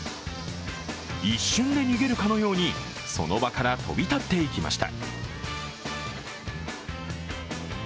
一瞬で逃げるかのように、その場から飛び立っていきました。